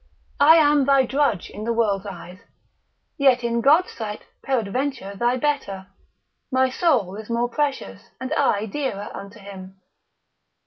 I am thy drudge in the world's eyes, yet in God's sight peradventure thy better, my soul is more precious, and I dearer unto him.